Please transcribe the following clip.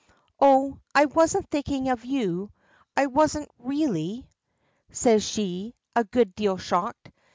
"Oh, I wasn't thinking of you. I wasn't, really," says she, a good deal shocked.